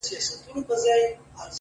ډيره مننه مهربان شاعره-